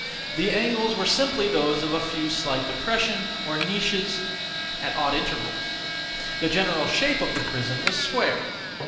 The angles were simply those of a few slight depressions, or niches, at odd intervals. The general shape of the prison was square.